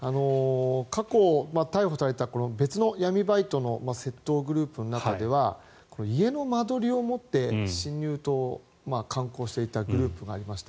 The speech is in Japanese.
過去、逮捕された別の闇バイトの窃盗グループの中では家の間取りを持って侵入を慣行していたグループがありました。